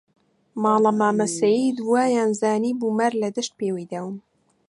ماڵە مامە سەید وەیانزانیبوو مار لە دەشت پێوەی داوم